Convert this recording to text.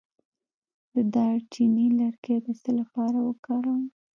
د دارچینی لرګی د څه لپاره وکاروم؟